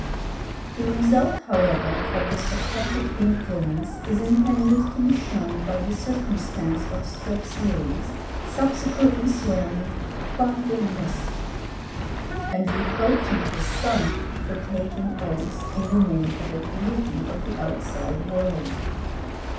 The result, however, of the Socratic influence is intended to be shown by the circumstance of Strepsiades subsequently swearing "by the mist!" and reproaching his son for taking oaths in the name of a deity of the outside world.